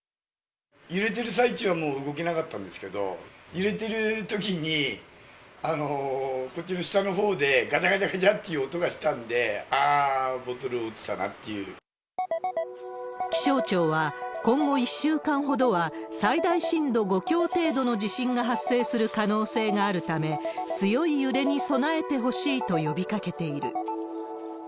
揺れてる最中はもう動けなかったんですけど、揺れているときに、こっちの下のほうでガチャガチャガチャっていう音がしたので、あ気象庁は、今後１週間ほどは、最大震度５強程度の地震が発生する可能性があるため、強い揺れに備えてほしいと呼びかけている。